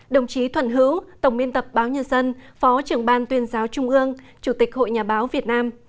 đồng chí thuận hữu tổng biên tập báo nhân dân phó trưởng ban tuyên giáo trung ương chủ tịch hội nhà báo việt nam